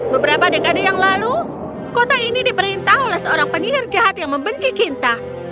beberapa dekade yang lalu kota ini diperintah oleh seorang penyihir jahat yang membenci cinta